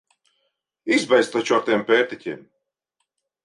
Izbeidz taču ar tiem pērtiķiem!